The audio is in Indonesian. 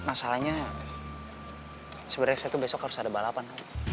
masalahnya sebenarnya saya tuh besok harus ada balapan